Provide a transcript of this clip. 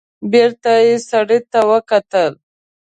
بېرته يې سړي ته وکتل.